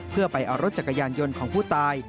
เพื่อไปเอารถจักรยานยนต์ของผู้ตาย